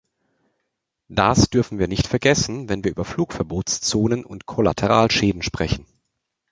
Das dürfen wir nicht vergessen, wenn wir über Flugverbotszonen und Kollateralschäden sprechen.